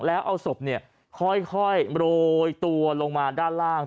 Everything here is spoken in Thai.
แล้วเอาศพเนี้ยค่อยค่อยโลยตัวลงมาด้านล่าง